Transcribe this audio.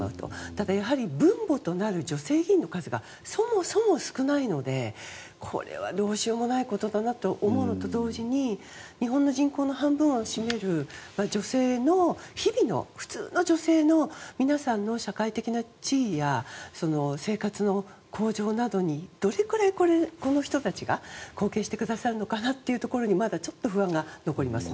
ただ、やはり分母となる女性議員の数がそもそも少ないのでこれはどうしようもないことかなと思うと同時に日本の人口の半分を占める女性の日々の、普通の女性の皆さんの社会的な地位や生活の向上などにどれくらいこの人たちが貢献してくださるのかなというところにまだちょっと不安が残りますね。